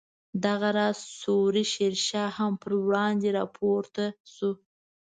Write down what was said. دغه راز سوري شیر شاه هم پر وړاندې راپورته شو.